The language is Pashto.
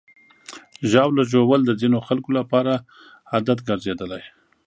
ژاوله ژوول د ځینو خلکو لپاره عادت ګرځېدلی.